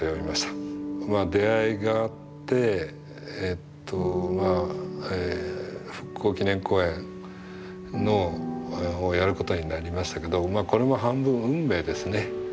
まあ出会いがあって復興祈念公園をやることになりましたけどこれも半分運命ですね。